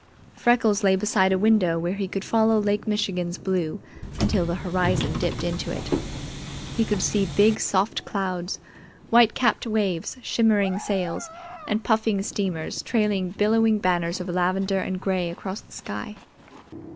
Freckles lay beside a window where he could follow Lake Michigan's blue until the horizon dipped into it. He could see big soft clouds, white capped waves, shimmering sails, and puffing steamers trailing billowing banners of lavender and gray across the sky.